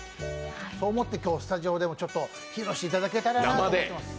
そう思って今日、スタジオでも披露していただいたらなと思います。